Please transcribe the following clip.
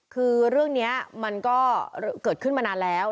คือเรื่องนี้มันก็เกิดขึ้นมานานแล้ว